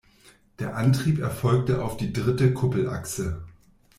Der Antrieb erfolgte auf die dritte Kuppelachse.